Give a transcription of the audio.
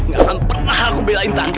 gak akan pernah haru belain tante